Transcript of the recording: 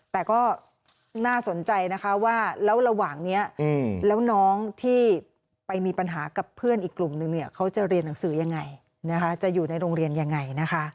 แต่ก็น่าสนใจนะคะว่าแล้วระหว่างนี้แล้วน้องที่ไปมีปัญหากับเพื่อนอีกกลุ่มนึงเนี่ยเขาจะเรียนหนังสือยังไงจะอยู่ในโรงเรียนยังไงนะคะ